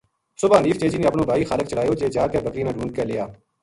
صبح حنیف چیچی نے اپنو بھائی خالق چلایو جے جا کے بکریاں نا ڈُھونڈ کے لے آ